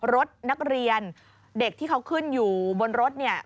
รถนักเรียนเด็กที่เขาขึ้นอยู่บนรถเนี่ย